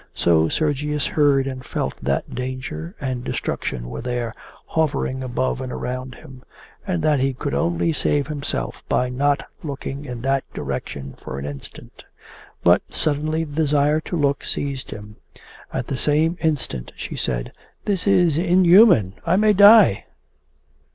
So Sergius heard and felt that danger and destruction were there, hovering above and around him, and that he could only save himself by not looking in that direction for an instant. But suddenly the desire to look seized him. At the same instant she said: 'This is inhuman. I may die....